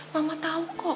mama tau kok